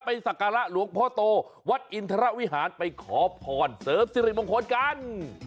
สักการะหลวงพ่อโตวัดอินทรวิหารไปขอพรเสริมสิริมงคลกัน